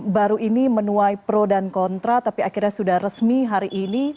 baru ini menuai pro dan kontra tapi akhirnya sudah resmi hari ini